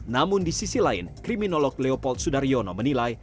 namun di sisi lain kriminolog leopold sudaryono menilai